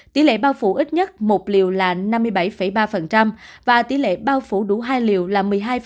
tỷ lệ bao phủ ít nhất một liều là năm mươi bảy ba và tỷ lệ bao phủ đủ hai liều là một mươi hai